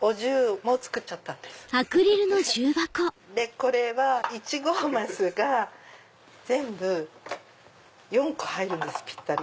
これは１合升が全部４個入るんですぴったり。